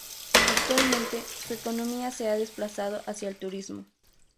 Actualmente, su economía se ha desplazado hacia el turismo.